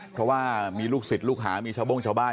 เพราะว่ามีลูกศิษย์ลูกหามีชาวโบ้งชาวบ้าน